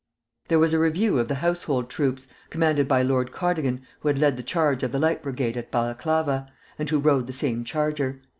There was a review of the household troops, commanded by Lord Cardigan, who had led the charge of the Light Brigade at Balaclava, and who rode the same charger.